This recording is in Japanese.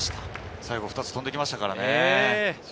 最後２つ飛んで行きましたよね。